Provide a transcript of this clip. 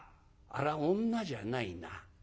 あれは女じゃないな。